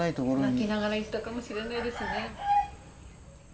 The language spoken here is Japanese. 泣きながら行ったかもしれないですね。